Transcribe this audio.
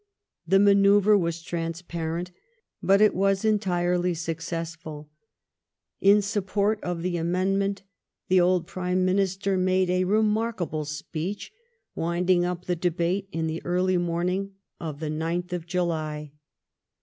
The manoeuvre was transparent, but is was entirely successful. In support of the amendment the old Prime Minister made a remarkable speech, wind ing up the debate in the early morning of the 9th of 238 LIFE OF VISCOUNT PALMEBSTON. Jaly.